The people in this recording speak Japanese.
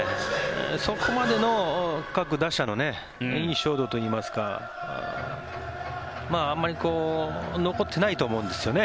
そこまで深く打者の印象度というかあまり残っていないと思うんですよね。